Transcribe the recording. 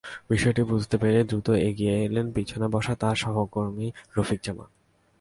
বিষয়টি বুঝতে পেরেই দ্রুত এগিয়ে এলেন পেছনে বসা তাঁর সহকর্মী রফিক জামান।